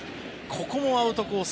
ここもアウトコース